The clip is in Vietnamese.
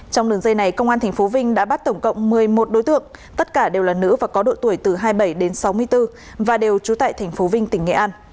trong đường dây này công an tp vinh đã bắt tổng cộng một mươi một đối tượng tất cả đều là nữ và có độ tuổi từ hai mươi bảy đến sáu mươi bốn và đều trú tại tp vinh tỉnh nghệ an